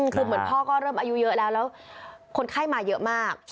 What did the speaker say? คือเหมือนพ่อก็เริ่มอายุเยอะแล้วแล้วคนไข้มาเยอะมาก